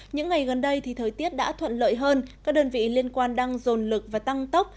những ngày gần đây thì thời tiết đã thuận lợi hơn các đơn vị liên quan đang dồn lực và tăng tốc